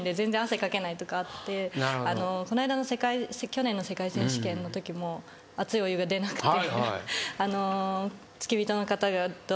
去年の世界選手権のときも熱いお湯が出なくて。